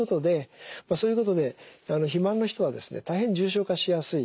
そういうことで肥満の人はですね大変重症化しやすい。